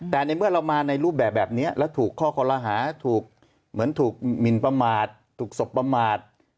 แต่ในเมื่อเรามาในรูปแบบนี้แล้วถูกข้อคอลหาถูกเหมือนถูกหมินประมาทถูกสบประมาท